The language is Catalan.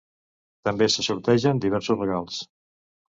També se sortegen diversos regals.